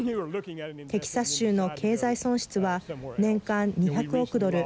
テキサス州の経済損失は年間２００億ドル。